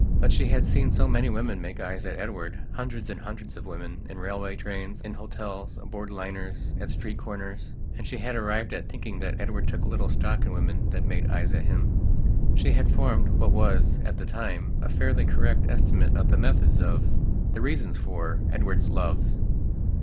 But she had seen so many women make eyes at Edwardhundreds and hundreds of women, in railway trains, in hotels, aboard liners, at street corners. And she had arrived at thinking that Edward took little stock in women that made eyes at him. She had formed what was, at that time, a fairly correct estimate of the methods of, the reasons for, Edward's loves.